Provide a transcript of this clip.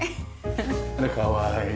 あらかわいい。